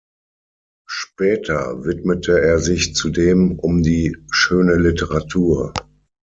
Später widmete er sich zudem um die Schöne Literatur.